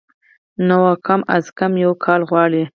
نو کم از کم يو کال غواړي